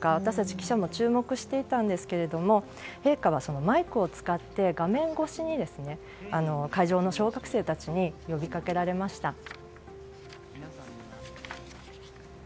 私たち記者も注目していたんですが陛下はマイクを使って画面越しに会場の小学生たちに呼びかけられました。